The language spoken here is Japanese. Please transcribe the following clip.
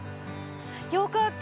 よかった